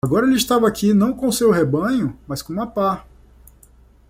Agora ele estava aqui não com seu rebanho?, mas com uma pá.